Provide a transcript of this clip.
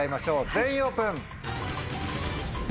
全員オープン。